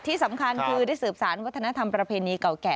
ที่สำคัญคือได้สืบสารวัฒนธรรมประเพณีเก่าแก่